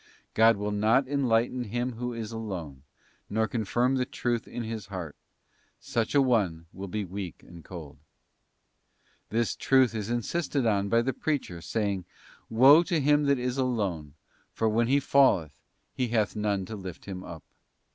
God will not enlighten him who is alone, nor confirm the truth in his heart: such an one will be weak and cold. This truth is insisted on by the Preacher, saying, ' Woe to him that is alone, for when he falleth, he hath none to lift him up.